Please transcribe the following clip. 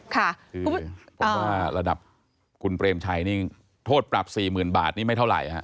คือผมว่าระดับคุณเปรมชัยนี่โทษปรับ๔๐๐๐บาทนี่ไม่เท่าไหร่ฮะ